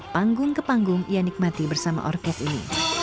panggung ke panggung ia nikmati bersama orkes ini